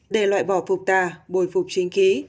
để loại bỏ phục tà bồi phục chính khí